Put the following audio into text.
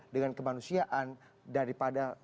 dengan kemanusiaan daripada